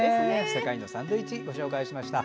世界のサンドイッチご紹介しました。